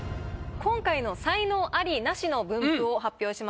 今回の才能アリ・ナシの分布を発表します。